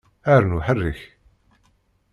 Rnu ḥerrek!